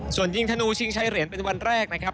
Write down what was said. ส่วนยิงธนูชิงใช้เหรียญเป็นวันแรกนะครับ